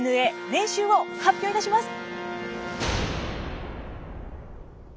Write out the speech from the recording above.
年収を発表いたします。